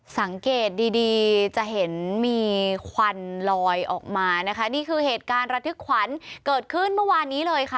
สังเกตดีดีจะเห็นมีควันลอยออกมานะคะนี่คือเหตุการณ์ระทึกขวัญเกิดขึ้นเมื่อวานนี้เลยค่ะ